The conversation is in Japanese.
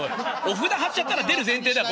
お札貼っちゃったら出る前提だ。